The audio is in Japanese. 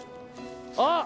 あっ！